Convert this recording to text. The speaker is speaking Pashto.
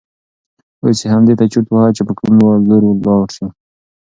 اوس یې همدې ته چرت واهه چې په کوم لور ولاړ شي.